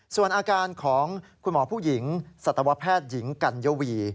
ส่วนอาการของคุณหมอผู้หญิงสัตวแพทย์หญิงกัญวี